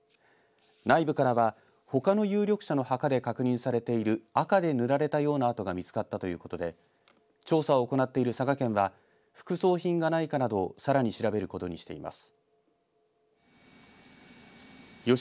内部からはほかの有力者の墓で確認されている赤で塗られたような跡が見つかったということで調査を行っている佐賀県は副葬品がないかなどをさらに調べることにしています。